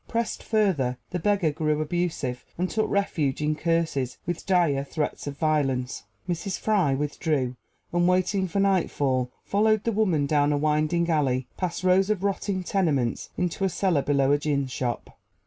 Pressed further, the beggar grew abusive, and took refuge in curses, with dire threats of violence. Mrs. Fry withdrew, and waiting for nightfall followed the woman: down a winding alley, past rows of rotting tenements, into a cellar below a ginshop.